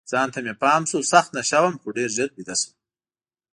ځان ته مې پام شو، سخت نشه وم، خو ډېر ژر بیده شوم.